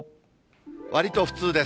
わりと普通です。